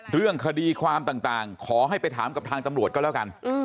เรื่องคดีความต่างขอให้ไปถามกับทางตำรวจก็แล้วกัน